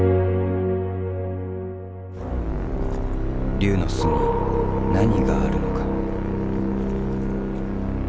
龍の巣に何があるのか？